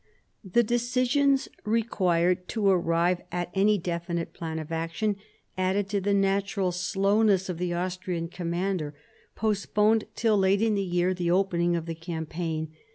The discussions required to arrive at any definite plan of action, added to the natural slowness of the Austrian commander, postponed till late in the year the opening of the campaign.